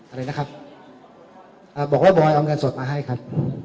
อะไรนะครับอ่าบอกว่าบอยเอาเงินสดมาให้ครับ